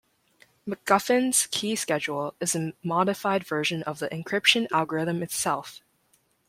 MacGuffin's key schedule is a modified version of the encryption algorithm itself.